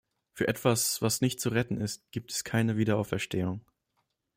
Für etwas, was nicht zu retten ist, gibt es keine Wiederauferstehung.